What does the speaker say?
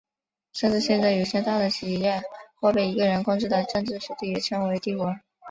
甚至现在有些大的企业或被一个人控制的政治实体也被称为帝国。